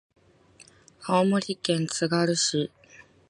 青森県つがる市